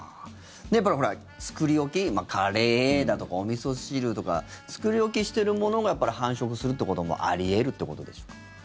やっぱり作り置きカレーだとかおみそ汁とか作り置きしてるものが繁殖するってこともあり得るってことでしょうか。